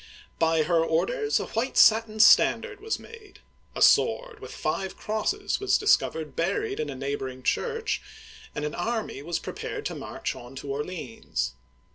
By her orders, a white satin standard was made, a sword with five crosses was discovered buried in a neighboring church, and an army was prepared to march on to Orleans.